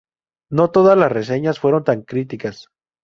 No todas las reseñas fueron tan críticas.